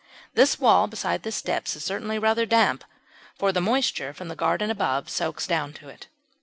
This wall beside the steps is certainly rather damp, for the moisture from the garden above soaks down to it.